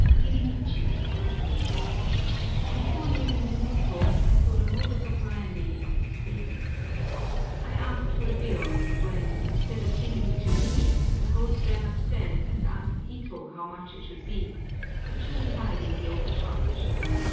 IRIMICHI.—Before leaving Yumoto I saw the modus operandi of a "squeeze." I asked for the bill, when, instead of giving it to me, the host ran upstairs and asked Ito how much it should be, the two dividing the overcharge.